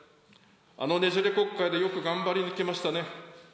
あのねじれ国会でよく頑張り抜きましたね。